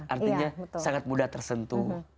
artinya sangat mudah tersentuh